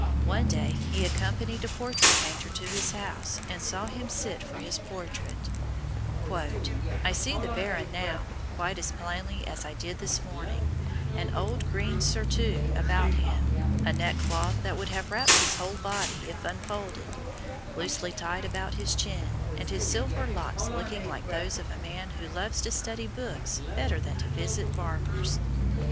One day he accompanied a portrait painter to his house and saw him sit for his portrait: "I see the Baron now, quite as plainly as I did this morning, an old green surtout about him, a neckcloth that would have wrapped his whole body if unfolded, loosely tied about his chin, and his silver locks looking like those of a man who loves to study books better than to visit barbers."